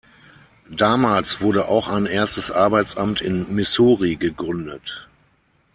Damals wurde auch ein erstes Arbeitsamt in Missouri gegründet.